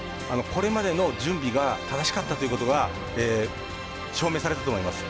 これまでの準備が正しかったということが証明されたと思います。